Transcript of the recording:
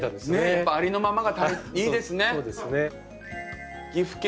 やっぱありのままがいいですね。